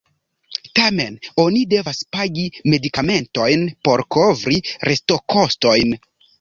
Tamen oni devas pagi medikamentojn por kovri restokostojn.